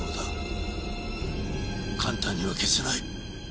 簡単には消せない。